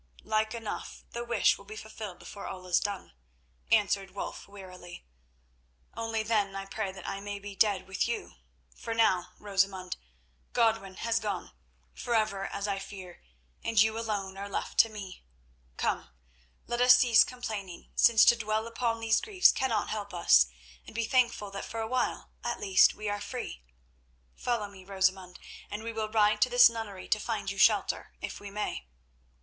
"Like enough the wish will be fulfilled before all is done," answered Wulf wearily, "only then I pray that I may be dead with you, for now, Rosamund, Godwin has gone, forever as I fear, and you alone are left to me. Come; let us cease complaining, since to dwell upon these griefs cannot help us, and be thankful that for a while, at least, we are free. Follow me, Rosamund, and we will ride to this nunnery to find you shelter, if we may."